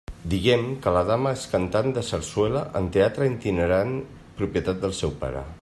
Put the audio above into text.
Diguem que la dama és cantant de sarsuela en teatre itinerant propietat del seu pare.